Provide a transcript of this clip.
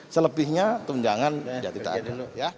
selebihnya tunjangan tidak ada